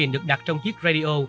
đặt trong chiếc radio